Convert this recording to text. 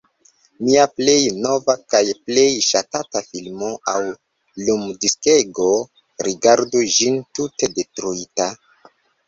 Mia plej nova kaj plej ŝatata filmo aŭ lumdiskego, rigardu ĝin: tute detruita.